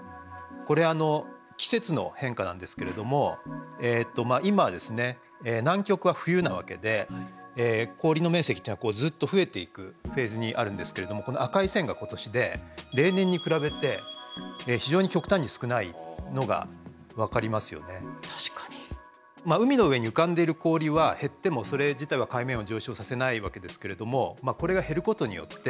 これ季節の変化なんですけれども今ですね南極は冬なわけで氷の面積っていうのはずっと増えていくフェーズにあるんですけれどもこの赤い線が今年で海の上に浮かんでいる氷は減ってもそれ自体は海面を上昇させないわけですけれどもこれが減ることによって